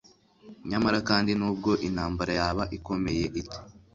Nyamara kandi nubwo intambara yaba ikomeye ite